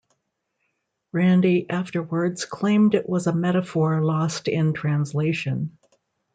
Randi afterwards claimed it was a metaphor lost in translation.